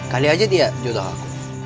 kali aja dia jual aku